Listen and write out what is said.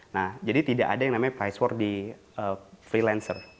nah jadi tidak ada yang namanya price for di freelancer